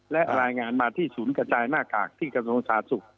และรายงานมาที่ศูนย์กระจายหน้ากากที่กระทรวงสาธารณสุข